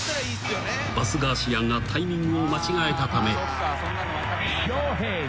［バスガーシアンがタイミングを間違えたため］